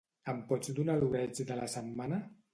Em pots donar l'oreig de la setmana?